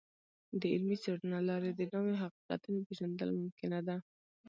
د علمي څیړنو له لارې د نوو حقیقتونو پیژندل ممکنه ده.